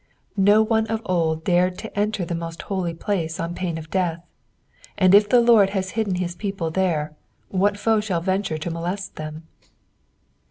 No one of old dared to enter the most holy place OQ pain of death \ and if the Lord has hidden his people there, what foe shall venture to molest them